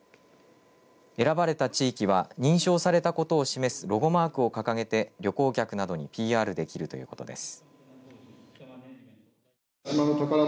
選ばれた地域は認証されたことを示すロゴマークを掲げて旅行客などにＰＲできるということです。